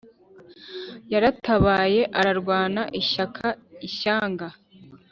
yaratabaye, ararwana ishyaka ishyanga